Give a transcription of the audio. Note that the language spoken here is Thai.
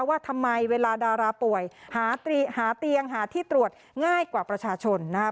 ว่าทำไมเวลาดาราป่วยหาเตียงหาที่ตรวจง่ายกว่าประชาชนนะครับ